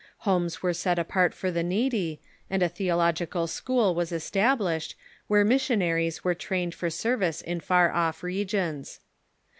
Homes were set apart for the needy, and a theological school was es tablished, where missionaries were trained for service in far off regions.